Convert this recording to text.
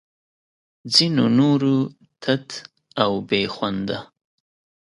ځینو نورو تت او بې خونده